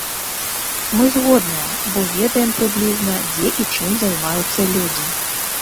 Мы згодныя, бо ведаем прыблізна, дзе і чым займаюцца людзі.